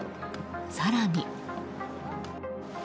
更に。